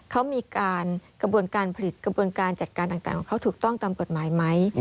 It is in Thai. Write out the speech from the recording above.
เขามีการกระบวนการผลิตกระบวนการจัดการต่างของเขาถูกต้องตามกฎหมายไหม